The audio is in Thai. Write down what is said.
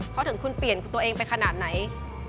เพราะถึงคุณเปลี่ยนตัวเองไปขนาดไหน